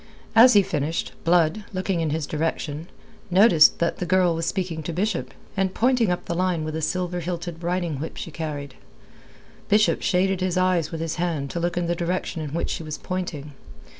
As he finished, Blood, looking in his direction, noticed that the girl was speaking to Bishop, and pointing up the line with a silver hilted riding whip she carried. Bishop shaded his eyes with his hand to look in the direction in which she was pointing.